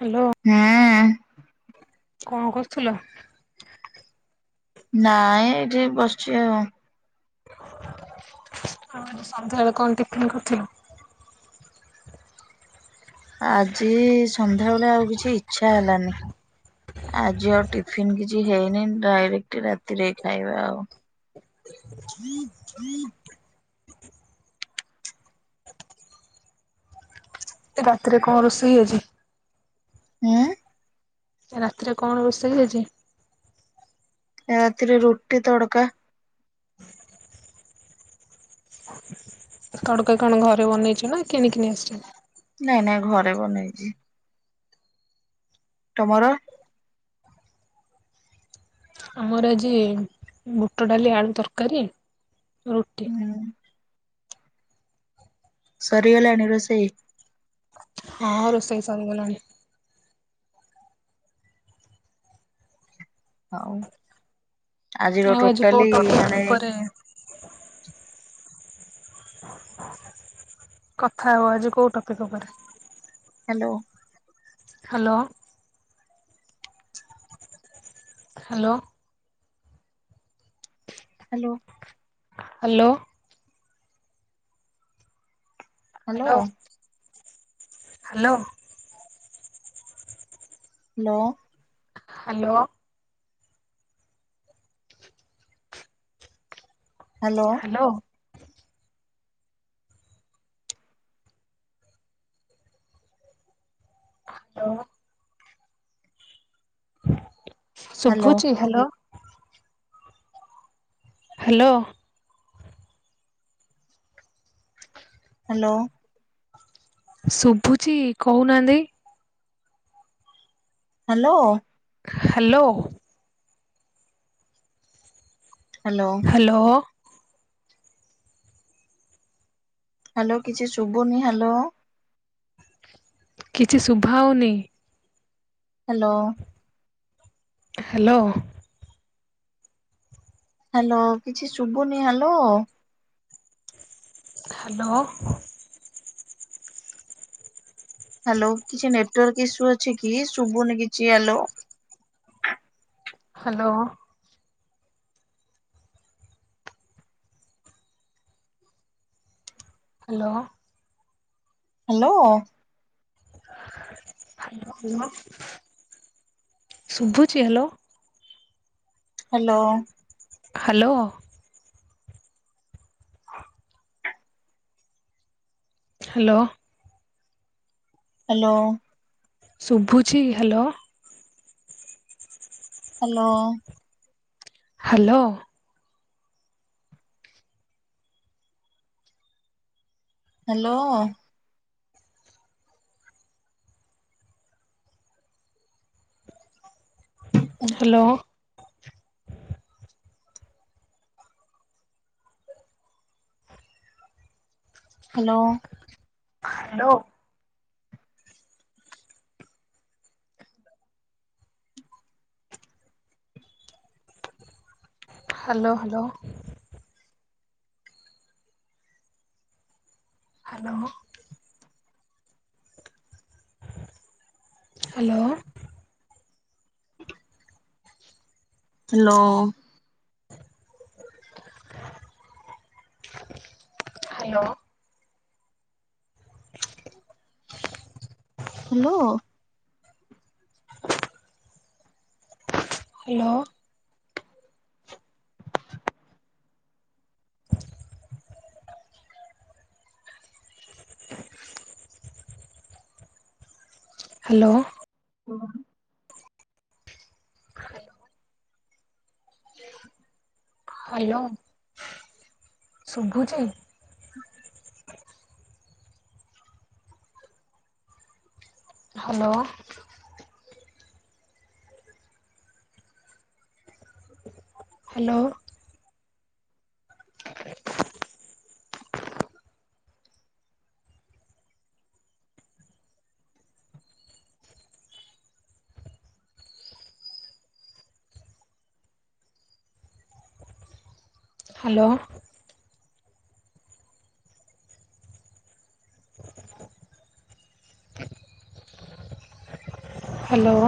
Hello. ହେଁଆ। କଁ କରୁଥିଲ? ନାଇଁ ଏଇଠି ବସଛି ଆଉ। ହଁ ଆଜି ସନ୍ଧ୍ୟାବେଳେ କଣ ଟିଫନ୍ କରିଥିଲ? ଆଜି ସନ୍ଧ୍ୟାବେଳେ ଆଉ କିଛି ଇଚ୍ଛା ହେଲାନି। ଆଜି ଆଉ ଟିଫିନ କିଛି ହେଇନି ଡାଇରେକ୍ଟ ରାତିରେ ଖାଇବା ଆଉ। ହୁଁ ତୁ ଗତିରେ କଁ ରୋଷେଇ ଅଛି? ଏଁ? ରାତିରେ କଣ ରୋଷେଇ ହେଇଚି? ଆ ରାତିରେ ରୁଟି ତଡ଼କା। ତଡକା କଣ ଘରେ ବନେଇଛୁ ନା କିଣିକି ନେଇ ଆସଚୁ? ନାଇଁ ନାଇଁ ଘରେ ବନେଇଛି। ତମର? ଆମର ଆଜି ବୁଟ ଡାଲି ଆଳୁ ତରକାରୀ ରୁଟି ହୁଁ ସରିଗଲାଣି ରୋଷେଇ? ହଁ ରୋଷେଇ ସରି ଗଲାଣି। ହଉ ଆଜିର ଆଉ ଆଜି କୋଉ ଟୋଟାଲି ଟପିକ ମାନେ ଉପରେ କଥା ହବ ଆଜି କୋଉ ଟପିକ୍ ଉପରେ? Hello. Hello. Hello. Hello. Hello. Hello. Hello. Hello. Hello. Hello. Hello hello. Hello ଶୁଭୁଛି ହାଲୋ। ହାଲୋ। ହାଲୋ। ଶୁଭୁଛି କହୁନାହାନ୍ତି। Hello. Hello. Hello. Hello. Hello କିଛି ଶୁଭୁନି ହାଲୋ। କିଛି ଶୁଭାହଉନି। ହାଲୋ। ହାଲୋ। ହାଲୋ କିଛି ଶୁବୁନି ହାଲୋ। ହାଲୋ। ହାଲୋ କିଛି ନେଟୱାର୍କ ଇସ୍ୟୁ ଅଛି କି? ଶୁବୁନି କିଛି ହାଲୋ। ହାଲୋ। ହାଲୋ। ହାଲୋ। ଶୁଭୁଛି hello. Hello. Hello. Hello. Hello. ଶୁଭୁଛି hello. Hello. Hello. Hello. Hello. Hello. Hello. Hello hello. Hello. Hello. Hello. Hello. Hello. Hello. Hello. ହୁଁ। [unintelligible] ହାଲୋ ଶୁଭୁଛି? Hello. Hello. Hello. [inaudible] Hello.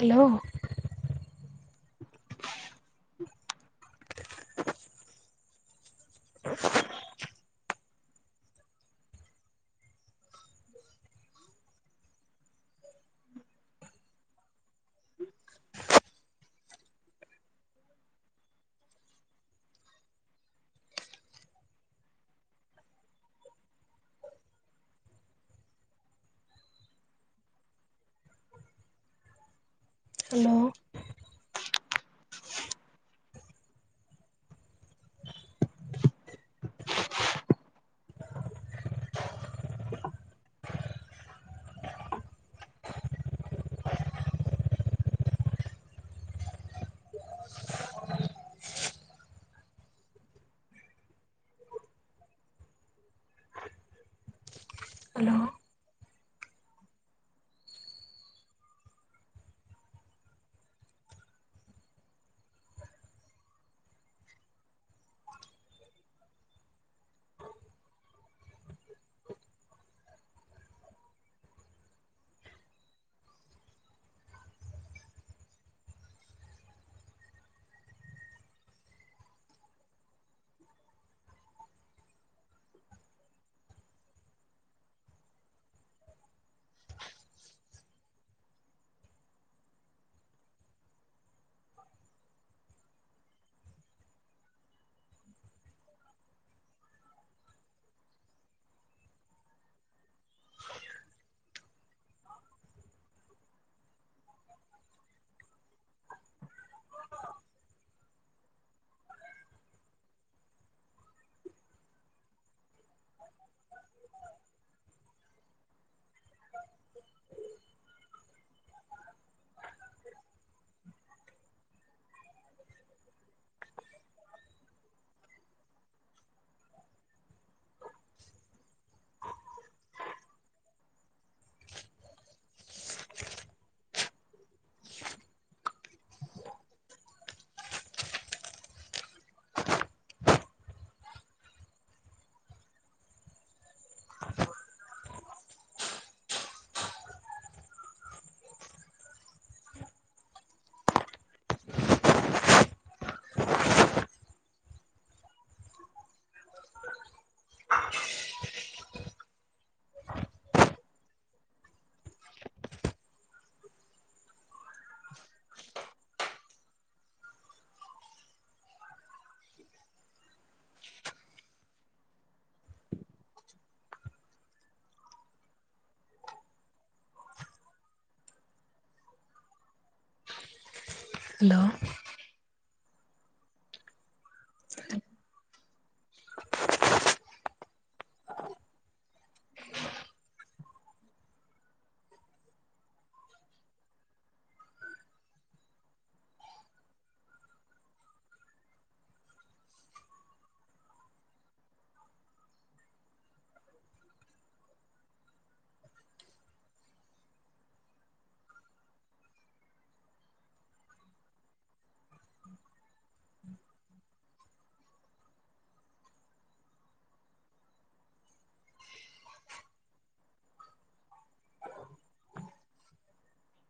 Hello. [inaudible] [inaudible] Hello. [unintelligible] [inaudible] [inaudible] Hello. [unintelligible] [unintelligible] Hello.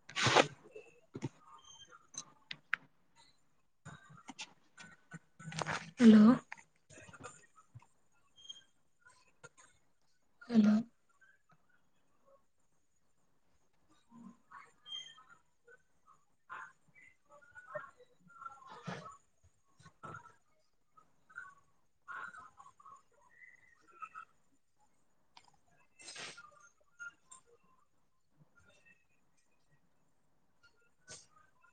[unintelligible] [inaudible] Hello. Hello. [inaudible] କୁହନ୍ତୁ।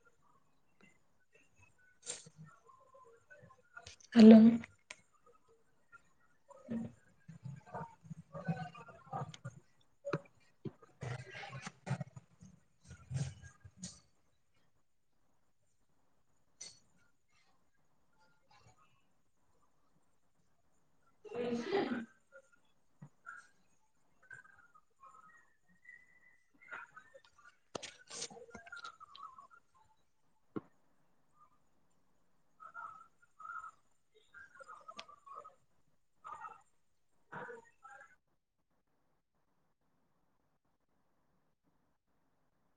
[inaudible] Hello.